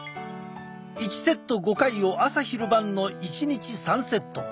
１セット５回を朝昼晩の１日３セット。